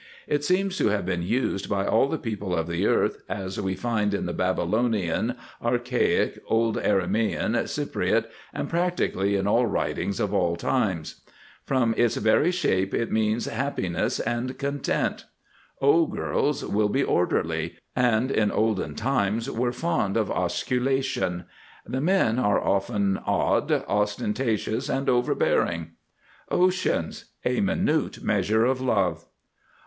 It seems to have been used by all the peoples of the Earth, as we find it in the Babylonian, Archaic, Old Aramæan, Cypriote, and practically in all writings of all times. From its very shape it means happiness and content. O girls will be Orderly, and in olden times were fond of Osculation. The men are often Odd, Ostentatious, and Overbearing. OCEANS. A minute measure of Love.